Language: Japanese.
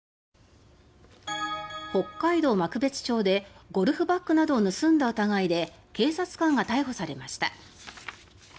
北海道幕別町でゴルフバッグなどを盗んだ疑いで警察官が逮捕されました。